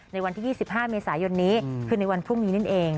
ในวันที่๒๕เมษายนนี้คือในวันพรุ่งนี้นั่นเอง